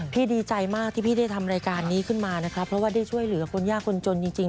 ดีใจมากที่พี่ได้ทำรายการนี้ขึ้นมานะครับเพราะว่าได้ช่วยเหลือคนยากคนจนจริง